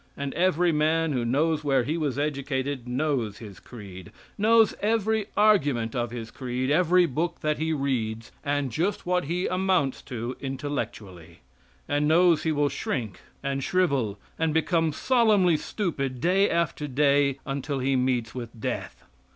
And every man who knows where he was educated knows his creed, knows every argument of his creed, every book that he reads, and just what he amounts to intellectually, and knows he will shrink and shrivel, and become solemnly stupid day after day until he meets with death.